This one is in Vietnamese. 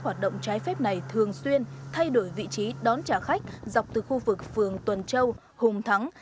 hoạt động trái phép này thường xuyên thay đổi vị trí đón trả khách dọc từ khu vực phường tuần châu hùng thắng